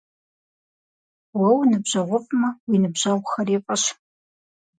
Уэ уныбжьэгъуфӀмэ, уи ныбжьэгъухэри фӀыщ.